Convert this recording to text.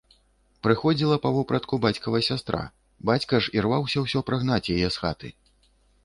Прыходзіла па вопратку бацькава сястра, бацька ж ірваўся ўсё прагнаць яе з хаты.